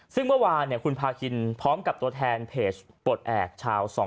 ซึ่งเมื่อวานคุณพาคินพร้อมกับตัวแทนเพจปลดแอบชาว๒